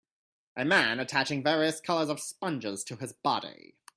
A man attaching various colors of sponges to his body